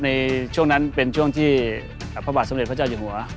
ในช่วงนั้นเป็นช่วงที่พระบาทสมเด็จพระเจ้าอยู่หัว